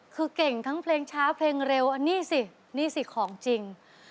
คือเก่งทั้งเพลงช้าเพลงเร็วอันนี้สินี่สิของจริง